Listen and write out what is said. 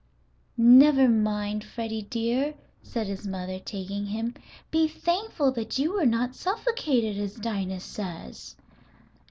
"Never mind, Freddie dear," said his mother, taking him. "Be thankful that you were not suffocated, as Dinah says."